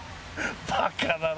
バカだな。